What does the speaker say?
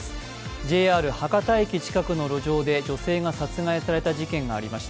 ＪＲ博多駅近くの路上で女性が刺された事件がありました。